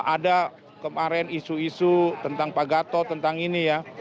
ada kemarin isu isu tentang pak gatot tentang ini ya